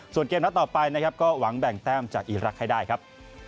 ส่วนเกมนัดต่อไปนะครับก็หวังแบ่งแต้มจากอีรักษ์ให้ได้ครับ